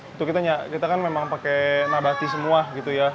itu kita kan memang pakai nabati semua gitu ya